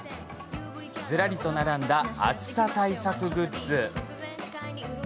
ずらりと並んだ暑さ対策グッズ。